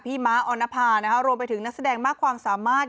ม้าออนภานะคะรวมไปถึงนักแสดงมากความสามารถ